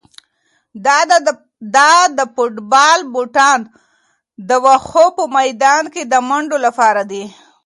دا د فوټبال بوټان د واښو په میدان کې د منډو لپاره دي.